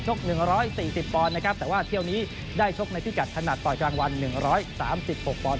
๑๔๐ปอนด์นะครับแต่ว่าเที่ยวนี้ได้ชกในพิกัดถนัดต่อยกลางวัน๑๓๖ปอนด